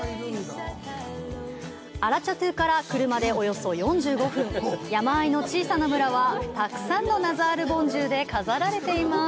アラチャトゥから車でおよそ４５分、山あいの小さな村は、たくさんのナザールボンジュウで飾られています。